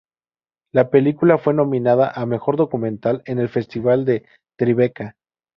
La película fue nominada a mejor documental en el Festival de Tribeca.